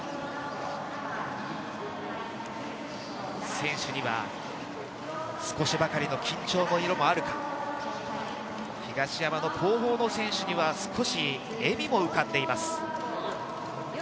選手には少しばかりの緊張の色もあるが、東山の後方の選手には少し笑みも浮かんでいます。